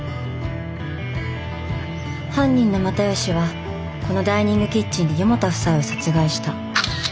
犯人の又吉はこのダイニングキッチンで四方田夫妻を殺害した。